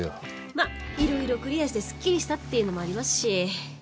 まあいろいろクリアしてすっきりしたっていうのもありますし。